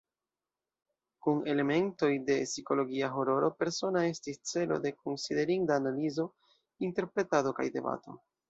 Kun elementoj de psikologia hororo, "Persona" estis celo de konsiderinda analizo, interpretado kaj debato.